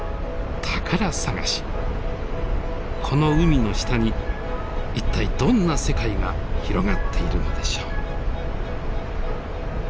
この海の下に一体どんな世界が広がっているのでしょう。